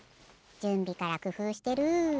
じゅんびからくふうしてる。